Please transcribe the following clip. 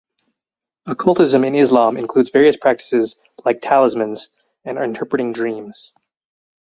Occultism in Islam includes various practices like talismans and interpreting dreams.